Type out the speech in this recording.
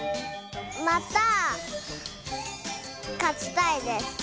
またかちたいです。